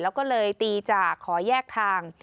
แล้วก็เลยตีจากขอแยกทาง